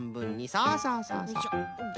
そうそうそうそう。